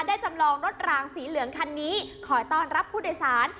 จำลองรถรางสีเหลืองคันนี้คอยต้อนรับผู้โดยสาร